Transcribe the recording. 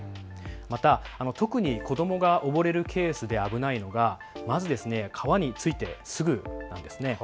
また、特に子どもが溺れるケースで危ないのはまず川に着いてすぐです。